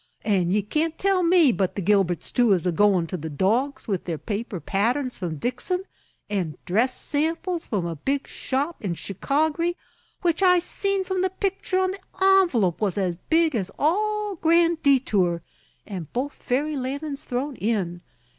An' ye can't tell me but the Gilberts, too, is a goin' to the dogs, with their paper patterns from Dixon, and dress samples from a big shop in Chicargy, which I seen from the picture on the envelope was as big as all Grand Detour, an' both ferry landin's thrown in.